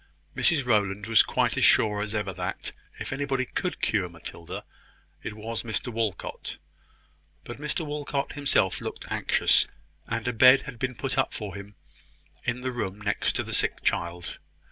Mrs Rowland was quite as sure as ever that, if anybody could cure Matilda, it was Mr Walcot; but Mr Walcot himself looked anxious; and a bed had been put up for him in the room next to the sick child.